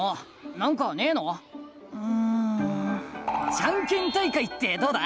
ジャンケン大会ってどうだ？